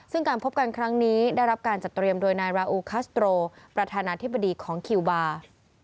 ซึ่งการพบกันครั้งนี้ได้รับการจัดเตรียมโดยนายราอูคัสโตรประธานาธิบดีของคิวบาร์